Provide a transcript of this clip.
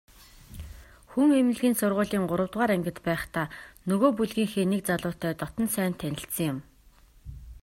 Хүн эмнэлгийн сургуулийн гуравдугаар ангид байхдаа нөгөө бүлгийнхээ нэг залуутай дотно сайн танилцсан юм.